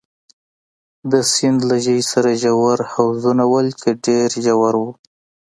د سیند له ژۍ سره ژور حوضونه ول، چې ډېر ژور وو.